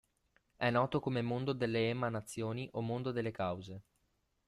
È noto come Mondo delle Emanazioni, o Mondo delle Cause.